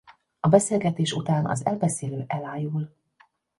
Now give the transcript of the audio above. A beszélgetés után az elbeszélő elájul.